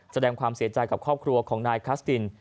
แสดงความเสียใจกับครอบครัวของนายคัสติน